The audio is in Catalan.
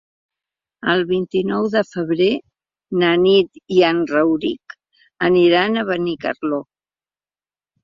El vint-i-nou de febrer na Nit i en Rauric aniran a Benicarló.